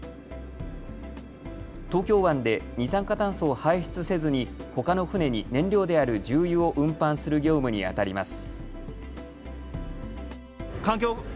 東京湾で二酸化炭素を排出せずにほかの船に燃料である重油を運搬する業務にあたります。